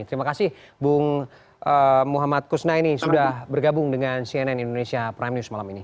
terima kasih bung muhammad kusnaini sudah bergabung dengan cnn indonesia prime news malam ini